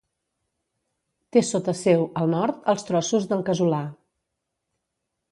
Té sota seu, al nord, els Trossos del Casolà.